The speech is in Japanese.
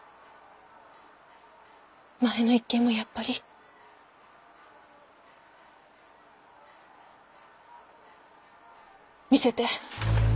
前の一件もやっぱり？見せて。